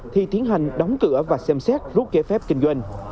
thì tiến hành đóng cửa và xem xét rút giấy phép kinh doanh